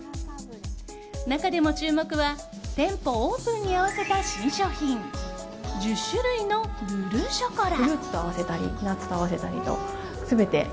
中でも注目は店舗オープンに合わせた新商品１０種類のルルショコラ。